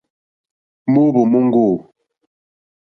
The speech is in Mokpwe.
Mòóhwò móŋɡô.